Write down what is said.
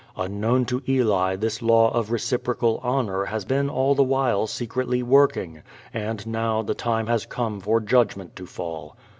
Unknown to Eli this law of reciprocal honor has been all the while secretly working, and now the time has come for judgment to fall.